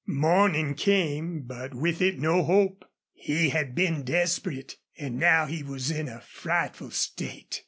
Morning came. But with it no hope. He had been desperate. And now he was in a frightful state.